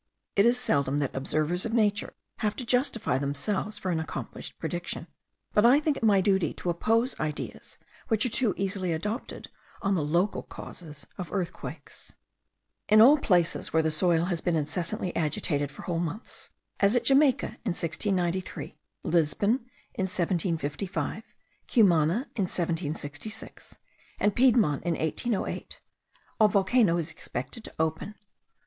It is seldom that observers of nature have to justify themselves for an accomplished prediction; but I think it my duty to oppose ideas which are too easily adopted on the LOCAL CAUSES of earthquakes. In all places where the soil has been incessantly agitated for whole months, as at Jamaica in 1693, Lisbon in 1755, Cumana in 1766, and Piedmont in 1808, a volcano is expected to open.